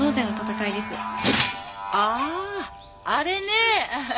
あああれね。